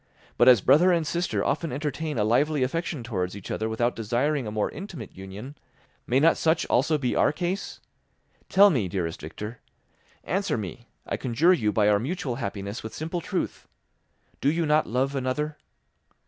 But as brother and sister often entertain a lively affection towards each other without desiring a more intimate union, may not such also be our case? Tell me, dearest Victor. Answer me, I conjure you by our mutual happiness, with simple truth—Do you not love another?